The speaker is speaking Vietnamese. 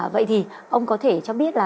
vậy thì ông có thể cho biết là